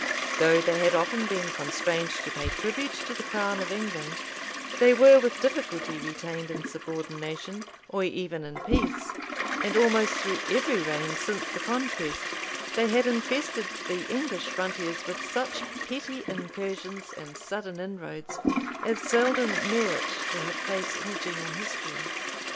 Though they had often been constrained to pay tribute to the crown of England, they were with difficulty retained in subordination or even in peace; and almost through every reign since the conquest, they had infested the English frontiers with such petty incursions and sudden inroads, as seldom merit to have place in a general history.